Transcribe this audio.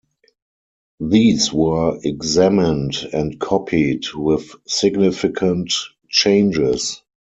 These were examined and copied, with significant changes.